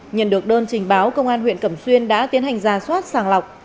nhận được đơn trình báo công an huyện cẩm xuyên đã tiến hành ra soát sàng lọc